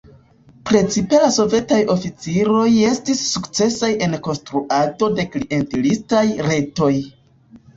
Precipe la sovetaj oficiroj estis sukcesaj en konstruado de klientelistaj retoj.